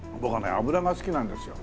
脂が好きなんですよ。